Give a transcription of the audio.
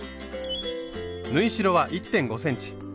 縫い代は１．５ｃｍ。